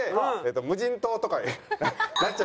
無人島とかになっちゃいます。